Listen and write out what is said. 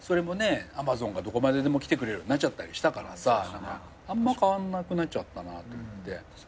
Ａｍａｚｏｎがどこまででも来てくれるようになったりしてあんま変わんなくなっちゃったなと思って。